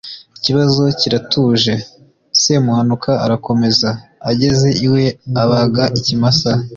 ikibazo kiratuje. semuhanuka arakomeza, ageze iwe abaga ikimasa